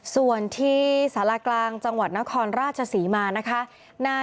ส่วนที่สารากลางจังหวัดนครราชศรีมานะคะ